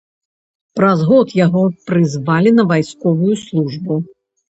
Праз год яго прызвалі на вайсковую службу.